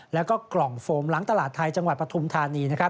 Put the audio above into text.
แล้วก็กล่องโฟมหลังตลาดไทยจังหวัดปฐุมธานี